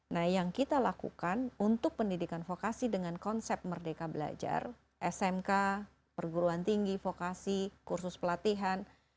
nah yang kita lakukan untuk pendidikan vokasi dengan konsep merdeka belajar smk perguruan tinggi vokasi kursus pelatihan